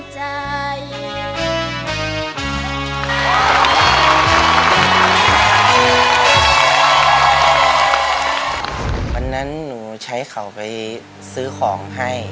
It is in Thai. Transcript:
จากใจน้อง